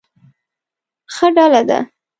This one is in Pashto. ښه ډله ده.